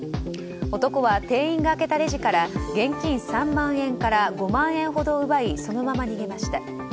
男は店員が開けたレジから現金３万円から５万円ほどを奪いそのまま逃げました。